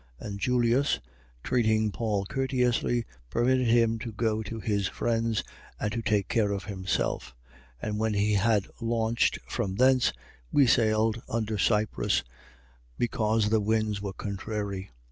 And Julius, treating Paul courteously, permitted him to go to his friends and to take care of himself. 27:4. And when we had launched from thence, we sailed under Cyprus, because the winds were contrary. 27:5.